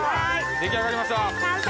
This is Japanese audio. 出来上がりました。